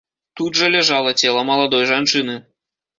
Тут жа ляжала цела маладой жанчыны.